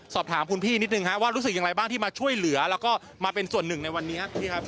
สอบถามคุณพี่นิดนึงครับว่ารู้สึกอย่างไรบ้างที่มาช่วยเหลือแล้วก็มาเป็นส่วนหนึ่งในวันนี้ครับพี่ครับ